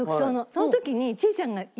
その時に。